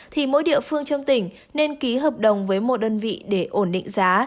thì mỗi địa phương trong tỉnh nên ký hợp đồng với một đơn vị để ổn định giá